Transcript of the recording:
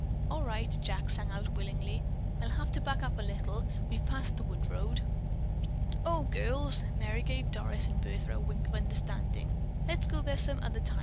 "All right," Jack sang out willingly. "I'll have to back up a little. We've passed the wood road." "O, girls," Merry gave Doris and Bertha a wink of understanding, "let's go there some other time.